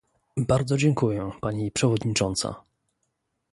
Bardzo dziękuję, pani przewodnicząca